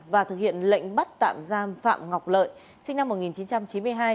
và thực hiện lệnh bắt tạm giam phạm ngọc lợi sinh năm một nghìn chín trăm chín mươi hai